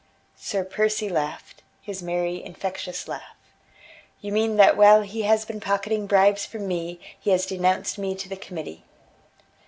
Sir Percy laughed, his merry, infectious laugh. "You mean that while he has been pocketing bribes from me, he has denounced me to the Committee."